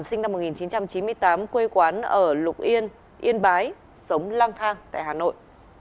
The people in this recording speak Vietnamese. sinh năm một nghìn chín trăm chín mươi tám quê quán ở lục yên yên bái sống lang thang tại hà nội